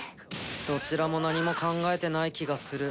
どちらも何も考えてない気がする。